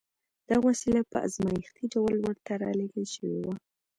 دا وسيله په ازمايښتي ډول ورته را لېږل شوې وه.